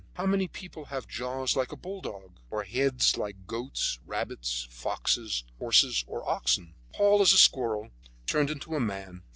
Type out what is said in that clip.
How many people have jaws like a bulldog, or heads like goats, rabbits, foxes, horses, or oxen. Paul is a squirrel turned into a man.